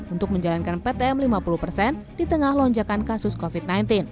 untuk menjalankan ptm lima puluh persen di tengah lonjakan kasus covid sembilan belas